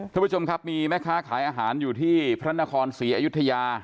ท่านผู้ชมครับมีแม่ค้าขายอาหารอยู่ที่พระนครศรีอยุธยา